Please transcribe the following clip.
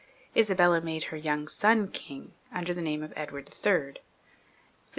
Isabella made her young son king under the name of Edward III.